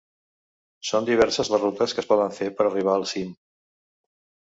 Són diverses les rutes que es poden fer per arribar al cim.